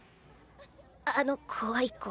あの怖い子。